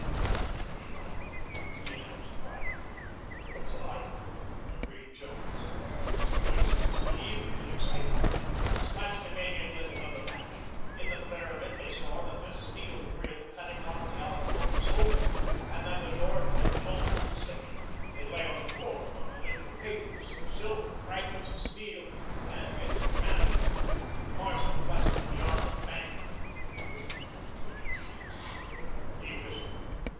"Bank's been robbed," he announced quietly. "Looks like," agreed Jones. His voice was uneven with excitement. The Scotch Canadian lit another match. In the flare of it they saw that the steel grill cutting off the alcove was open and that the door had been blown from the safe. It lay on the floor among a litter of papers, silver, fragments of steel, and bits of candle. The marshal clutched at the arm of the banker. "Did you see that?" he whispered.